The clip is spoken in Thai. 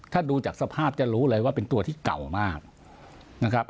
ถ้าดูจากสภาพจะรู้เลยว่าเป็นตัวที่เก่ามากนะครับ